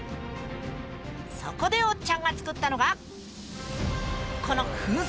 そこでおっちゃんが作ったのがこの噴水だったんだ！